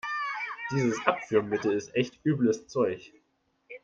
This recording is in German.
Dieses Abführmittel ist echt übles Zeug.